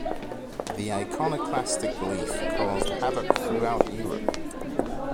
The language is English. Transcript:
The iconoclastic belief caused havoc throughout Europe.